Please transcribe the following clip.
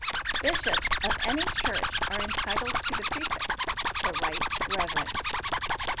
Bishops of any church are entitled to the prefix, "The Right Reverend."